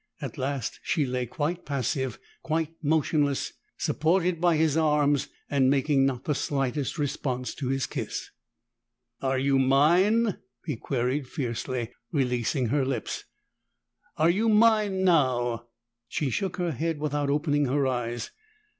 At last she lay quite passive, quite motionless, supported by his arms, and making not the slightest response to his kiss. "Are you mine?" he queried fiercely, releasing her lips. "Are you mine now?" She shook her head without opening her eyes.